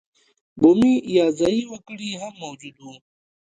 بومي یا ځايي وګړي هم موجود وو.